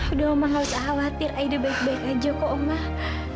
udah omah gak usah khawatir aida baik baik aja kok mah